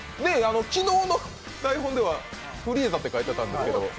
昨日の台本ではフリーザって、書いてあったんですけど。